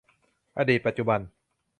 อดีตปัจจุบัน